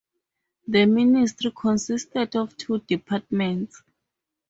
The Ministry consisted of two departments.